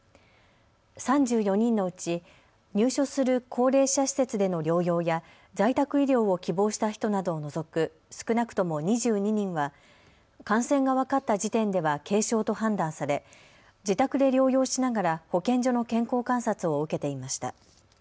３４人のうち入所する高齢者施設での療養や在宅医療を希望した人などを除く少なくとも２２人は感染が分かった時点では軽症と判断され自宅で療養しながら保健所の健康観察を受けていました。